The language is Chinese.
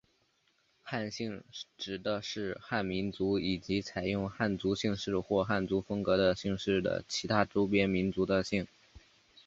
汉姓指的是汉民族以及采用汉族姓氏或汉族风格的姓氏的其他周边民族的姓。